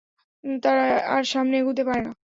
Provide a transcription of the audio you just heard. তারা আর সামনে এগুতে পারে না।